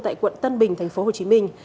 tại quận tân bình thành phố hồ chí minh